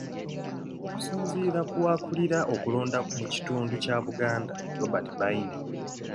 Okusinziira ku akulira okulonda mu kitundu kya Buganda, Robert Beine